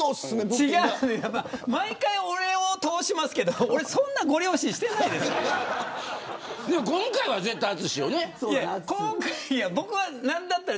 違うよ、毎回俺を通しますけど俺、そんなごり押ししてないですから。